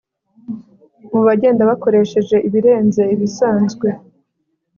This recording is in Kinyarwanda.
mubagenda bakoresheje ibirenze ibisanzwe